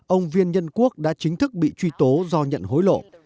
ông viên nhân quốc đã chính thức bị truy tố do nhận hối lộ